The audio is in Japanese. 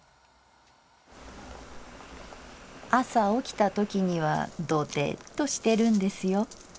「朝起きたときにはドテッとしてるんですよ。